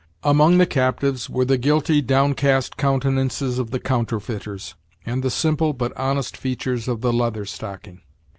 Among the captives were the guilty, downcast countenances of the counterfeiters, and the simple but honest features of the Leather Stocking.